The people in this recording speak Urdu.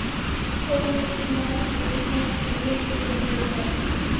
اورملزمان بڑی معصومیت سے کہتے ہیں۔